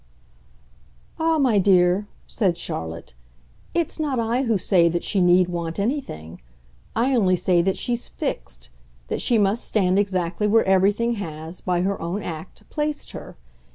"Ah, my dear," said Charlotte, "it's not I who say that she need want anything. I only say that she's FIXED, that she must stand exactly where everything has, by her own act, placed her.